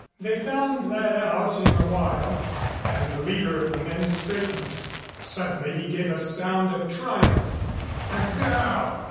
They found that out in a while and the leader of the men straightened. Suddenly he gave a sound of triumph. "The girl!"